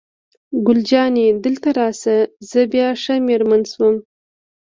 ګل جانې: دلته راشه، زه بیا ښه مېرمن شوم.